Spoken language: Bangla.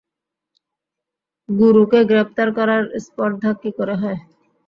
গুরুকে গ্রেফতার করার স্পর্ধা কী করে হয়?